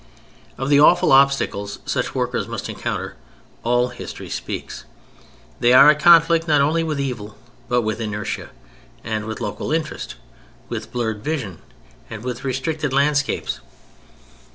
Of the awful obstacles such workers must encounter all history speaks. They are at conflict not only with evil, but with inertia; and with local interest, with blurred vision and with restricted landscapes.